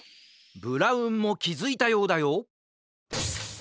ブラウンもきづいたようだよ